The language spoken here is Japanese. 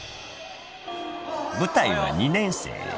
［舞台は２年生へ］